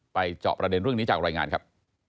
เจาะประเด็นเรื่องนี้จากรายงานครับ